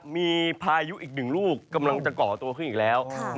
มีพายุอีกหนึ่งลูกกำลังจะก่อตัวขึ้นอีกแล้ว